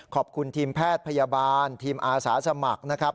ขอบคุณทีมแพทย์พยาบาลทีมอาสาสมัครนะครับ